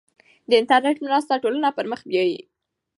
د انټرنیټ مرسته ټولنه پرمخ بیايي.